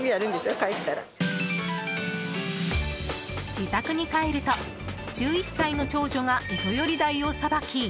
自宅に帰ると１１歳の長女がイトヨリダイをさばき